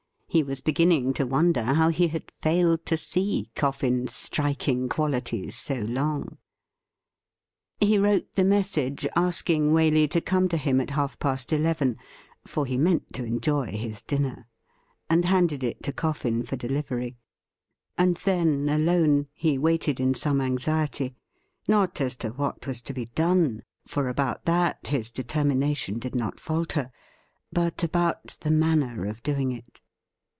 He was beginning to wonder how he had failed to see Coffin's striking qualities so long. He wrote the message asking Waley to come to him at half past eleven — for he meant to enjoy his dinner — and handed it to Coffin for delivery ; and then alone he waited in some anxiety — not as to what was to be done — for about that his determination did not falter — but about the manner of doing it.